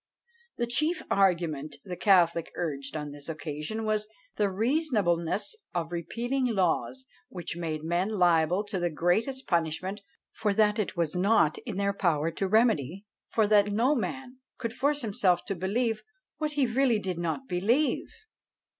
The chief argument the catholic urged on this occasion was "the reasonableness of repealing laws which made men liable to the greatest punishments for that it was not in their power to remedy, for that no man could force himself to believe what he really did not believe."